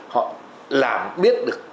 họ làm biết được